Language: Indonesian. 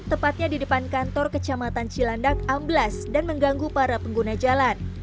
tepatnya di depan kantor kecamatan cilandak amblas dan mengganggu para pengguna jalan